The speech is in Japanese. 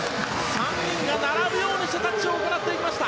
３人が並ぶようにしてタッチしていきました。